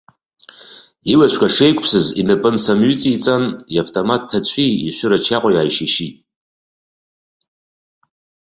Илацәақәа шеиқәыԥсаз инапы аамсҩаниҵан, иавтомат ҭацәи ишәыра чаҟәеи ааишьышьит.